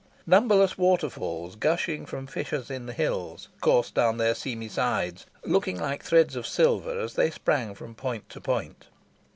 Numberless waterfalls, gushing from fissures in the hills, coursed down their seamy sides, looking like threads of silver as they sprang from point to point.